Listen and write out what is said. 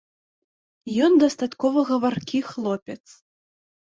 Ён дастаткова гаваркі хлопец.